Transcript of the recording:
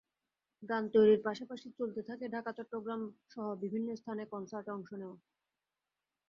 গান তৈরির পাশাপাশি চলতে থাকে ঢাকা, চট্টগ্রামসহ বিভিন্ন স্থানে কনসার্টে অংশ নেওয়া।